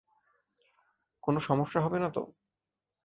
কোনো সমস্যা হবে না তো?